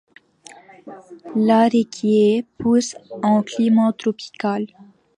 L'aréquier pousse en climat tropical.